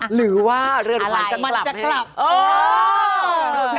หรือว่าเรื่องความจะกลับให้